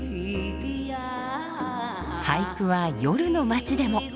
俳句は夜の街でも。